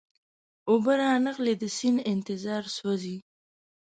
اوبه را نغلې د سیند انتظار سوزي